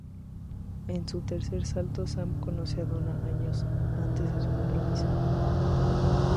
En su tercer salto Sam conoce a Donna años antes de su compromiso.